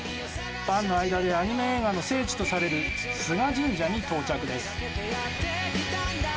ファンの間でアニメ映画の聖地とされる須賀神社に到着です。